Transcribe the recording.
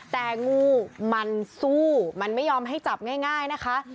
แต่งูมันสู้มันไม่ยอมให้จับง่ายนะคะ